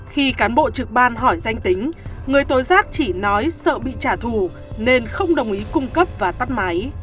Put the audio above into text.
khi cán bộ trực ban hỏi danh tính người tố giác chỉ nói sợ bị trả thù nên không đồng ý cung cấp và tắt máy